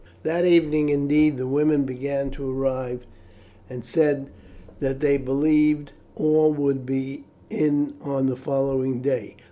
That evening, indeed, the women began to arrive, and said that they believed all would be in on the following day.